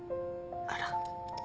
あら。